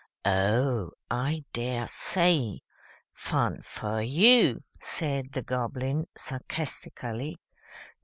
"Oh, I dare say! Fun for you," said the Goblin, sarcastically.